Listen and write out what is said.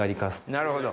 なるほど。